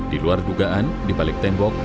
diluar dugaan dibalik tembok